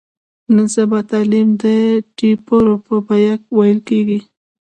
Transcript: نن سبا تعلیم د ټېپرو په بیه ویل کېږي.